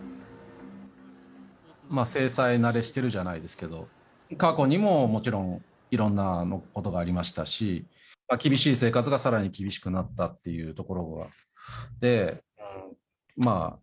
制裁慣れしてるじゃないですけども、過去にももちろん、いろんなことがありましたし、厳しい生活がさらに厳しくなったというところが。